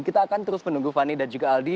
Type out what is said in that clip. kita akan terus menunggu fani dan juga aldi